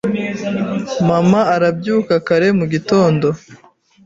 Mama arabyuka kare mu gitondo.